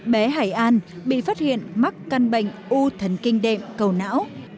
bé hải an bị phát hiện mắc căn bệnh u thần kinh đệm cầu não